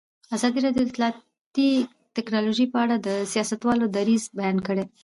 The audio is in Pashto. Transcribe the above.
ازادي راډیو د اطلاعاتی تکنالوژي په اړه د سیاستوالو دریځ بیان کړی.